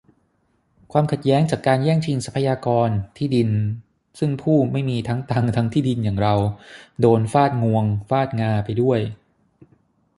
ความขัดแย้งจากการแย่งชิงทรัพยากร-ที่ดิน ซึ่งผู้ไม่มีทั้งตังค์ทั้งที่ดินอย่างเรา โดนฟาดงวงฟาดงาไปด้วย